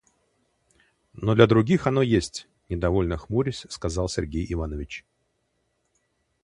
Но для других оно есть, — недовольно хмурясь, сказал Сергей Иванович.